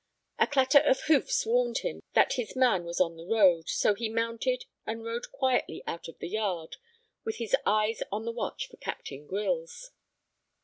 A clatter of hoofs warned him that his man was on the road, so he mounted and rode quietly out of the yard with his eyes on the watch for Captain Grylls.